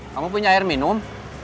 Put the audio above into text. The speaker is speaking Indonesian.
kamu punya air minum